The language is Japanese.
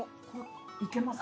いけます。